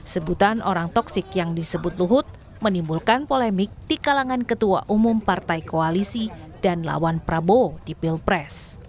sebutan orang toksik yang disebut luhut menimbulkan polemik di kalangan ketua umum partai koalisi dan lawan prabowo di pilpres